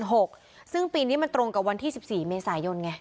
เดือนหกซึ่งปีนี้มันตรงกับวันที่สิบสี่เมษายนไง